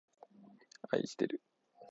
あいしてる